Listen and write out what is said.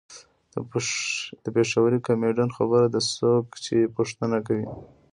د پېښوري کمیډین خبره ده څوک یې پوښتنه کوي.